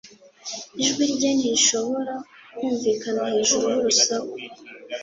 Ijwi rye ntirishobora kumvikana hejuru y'urusaku